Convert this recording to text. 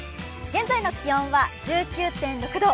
現在の気温は１９．６度。